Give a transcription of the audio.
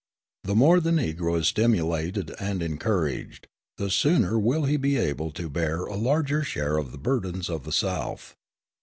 The more the Negro is stimulated and encouraged, the sooner will he be able to bear a larger share of the burdens of the South.